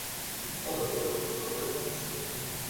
পরের ওভারের প্রথম বলেই কামিন্সকে ছক্কা মেরে শেষ করে দেন ম্যাচটা।